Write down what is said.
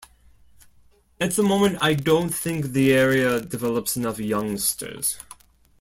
At the moment, I don't think the area develops enough youngsters.